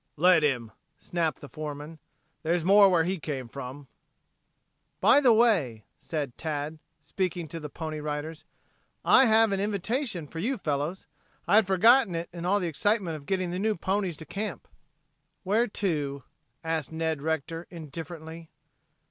"Let him," snapped the foreman. "There's more where he came from." "By the way," said Tad, speaking to the Pony Riders. "I have an invitation for you fellows. I had forgotten it in the excitement of getting the new ponies to camp." "Where to!" asked Ned Rector indifferently.